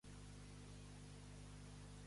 On es descriu la família de les Keres?